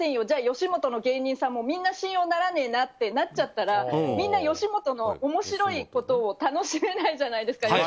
じゃあ、吉本の芸人さんもみんな信用ならねえなってなっちゃったらみんな吉本の面白いことを楽しめないじゃないですか。